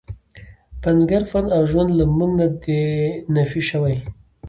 د پنځګر فن او ژوند له موږ نه دی نفي شوی.